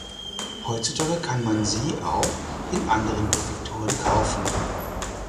Heutzutage kann man sie auch in anderen Präfekturen kaufen.